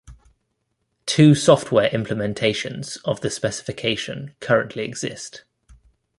Two software implementations of the specification currently exist.